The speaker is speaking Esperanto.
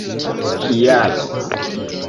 kialo